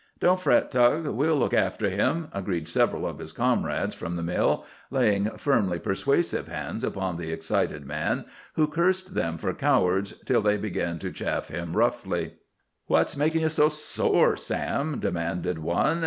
"Don't fret, Tug. We'll look after him," agreed several of his comrades from the mill, laying firmly persuasive hands upon the excited man, who cursed them for cowards till they began to chaff him roughly. "What's makin' you so sore, Sam?" demanded one.